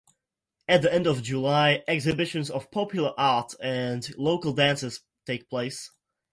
At the end of July exhibitions of popular art and local dances take place.